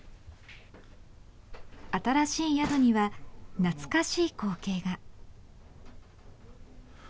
新しい宿には懐かしい光景が。